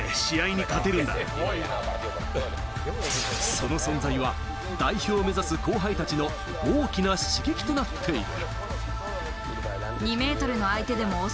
その存在は代表を目指す後輩たちの大きな刺激となっている。